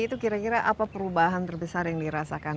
itu kira kira apa perubahan terbesar yang dirasakan